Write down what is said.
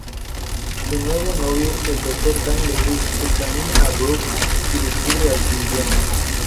Su nuevo novio, el Dr. Dan Lewis, examina a Brock y descubre al simbionte.